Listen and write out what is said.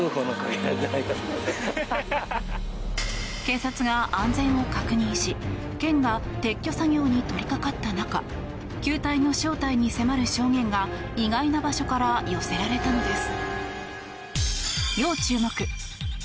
警察が安全を確認し県が撤去作業に取り掛かった中球体の正体に迫る証言が意外な場所から寄せられたのです。